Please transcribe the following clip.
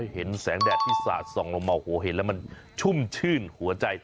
เห็นแสงแดดที่สาดส่องลงมาโหเห็นแล้วมันชุ่มชื่นหัวใจ